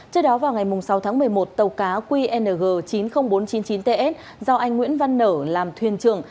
trước đó vào ngày sáu tháng một mươi một tàu cá qng chín mươi nghìn bốn trăm chín mươi chín ts do anh nguyễn văn nở làm thuyền trưởng